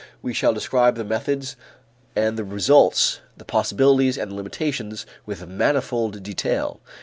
We shall describe the methods and the results, the possibilities and the limitations with manifold detail.